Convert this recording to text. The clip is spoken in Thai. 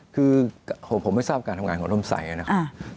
คือผมไม่ทราบการทำงานของร่มใสนะครับ